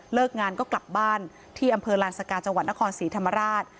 เลิกงานก็กลับบ้านที่อำเภอลาลสกาจนครศรีธรรมราช